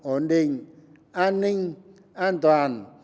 ổn định an ninh an toàn